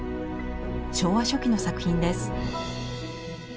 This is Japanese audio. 昭和初期の作品です。